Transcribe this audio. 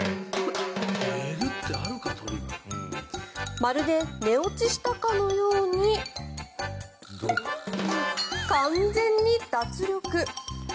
まるで、寝落ちしたかのように完全に脱力。